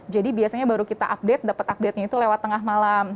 jadi biasanya baru kita update dapat update nya itu lewat tengah malam